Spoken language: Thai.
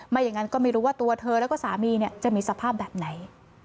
อย่างนั้นก็ไม่รู้ว่าตัวเธอแล้วก็สามีจะมีสภาพแบบไหน